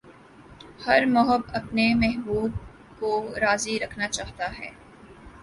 ہر محب اپنے محبوب کو راضی رکھنا چاہتا ہے